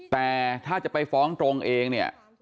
แต่ถ้าจะไปฟ้องตรงเองเนี่ย